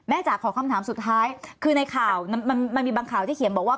จ๋าขอคำถามสุดท้ายคือในข่าวมันมีบางข่าวที่เขียนบอกว่า